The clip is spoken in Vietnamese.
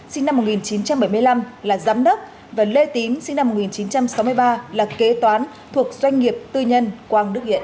sinh năm một nghìn chín trăm bảy mươi năm là giám đốc và lê tín sinh năm một nghìn chín trăm sáu mươi ba là kế toán thuộc doanh nghiệp tư nhân quang đức hiện